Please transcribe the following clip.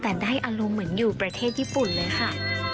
แต่ได้อารมณ์เหมือนอยู่ประเทศญี่ปุ่นเลยค่ะ